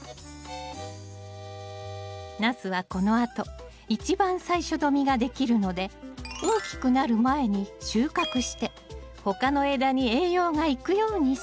ナスはこのあと一番最初の実が出来るので大きくなる前に収穫して他の枝に栄養がいくようにします。